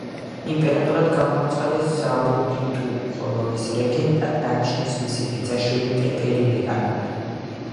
იმპერატორად გამოაცხადეს ზაუდიტუ, ხოლო მის რეგენტად დანიშნეს მისი ბიძაშვილი ტეფერი მეკონინი.